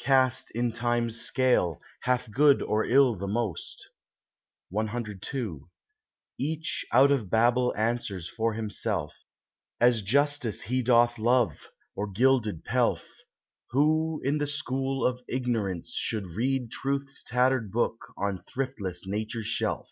Cast in time's scale hath good or ill the most? CII Each out of Babel answers for himself, As justice he doth love, or gilded pelf: Who in the school of ignorance should read Truth's tattered book on thriftless nature's shelf?